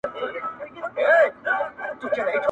بيا دې زما سره په لار د جنګ ملګري نه زي